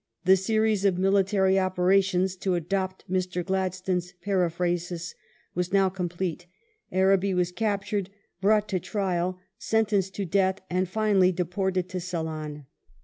The "series of military operations," to adopt Mr. Gladstone's periphrasis, was now complete. Arabi was captured, brought to trial, sentenced to death, and finally deported to Ceylon.